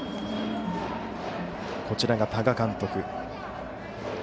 こちらが多賀監督。